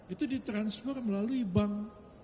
itu ditransfer melalui bank